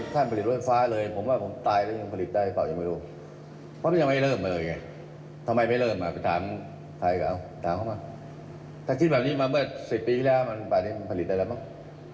ถ้าคิดแบบนี้มาเมื่อ๑๐ปีแล้วมาผลิตอะไรบ้าง